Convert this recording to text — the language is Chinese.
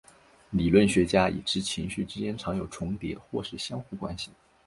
理论学家已知情绪之间常有重叠或是相互关系。